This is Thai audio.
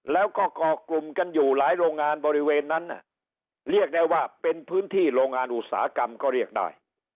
แล้วก็ก่อกลุ่มกันอยู่หลายโรงงานบริเวณนั้นเรียกได้ว่าเป็นพื้นที่โรงงานอุตสาหกรรมก็เรียกได้